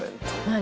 「何？